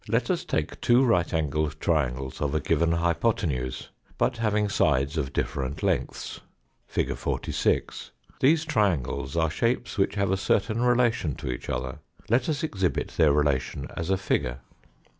Let us take two right angled triangles of a given hypothenuse, but having sides of different lengths (fig. 46). These triangles are shapes which have a certain relation to each other. Let us exhibit their relation as a figure.